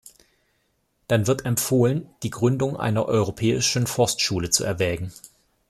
Dann wird empfohlen, die Gründung einer europäischen Forstschule zu erwägen.